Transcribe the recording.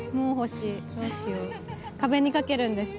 壁にかけるんです。